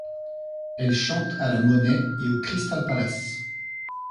Elle chante à la Monnaie et au Crystal Palace.